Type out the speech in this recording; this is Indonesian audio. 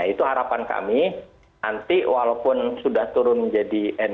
nah ini merupakan pertanyaan pertanyaan luar biasa maka hal ini mengenai seseorang